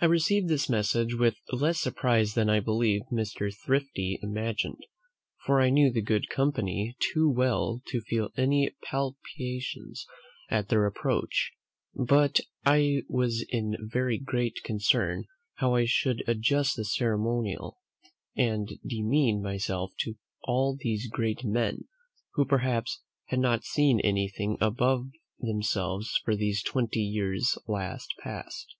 I received this message with less surprise than I believe Mr. Thrifty imagined; for I knew the good company too well to feel any palpitations at their approach; but I was in very great concern how I should adjust the ceremonial, and demean myself to all these great men, who perhaps had not seen anything above themselves for these twenty years last past.